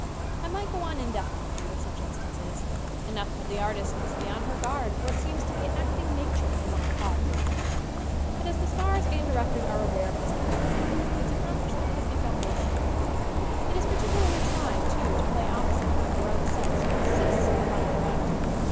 I might go on indefinitely with such in stances. Enough that the artist must be on her guard for it seems to be acting nature to want to "hog the camera." But as the stars and directors are aware of this tendency its accomplishment has become more difficult. It is particularly trying, too, to play opposite one of your own sex who insists upon over acting.